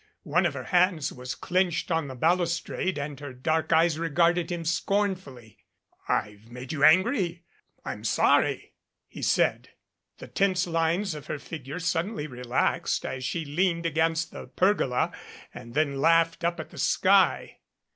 One of her hands was clenched on the balustrade and her dark eyes re garded him scornfully. "I've made you angry ? I'm sorry," he said. The tense lines of her figure suddenly relaxed as she leaned against the pergola and then laughed up at the sky.